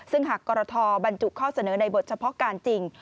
ซึ่งหากกรทบรรจุข้อเสนอในบทเฉพาะการจริง